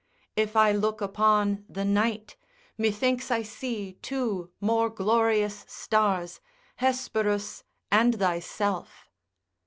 If I look upon the night, methinks I see two more glorious stars, Hesperus and thyself.